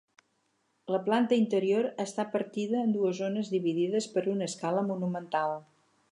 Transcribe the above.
La planta interior està partida en dues zones dividides per una escala monumental.